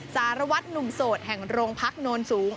สารวัตรหนุ่มโสดแห่งโรงพักโนนสูง